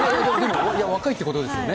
若いってことですよね。